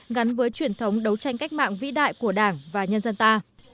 gắn với truyền thống đấu tranh cách mạng vĩ đại của đảng và nhân dân ta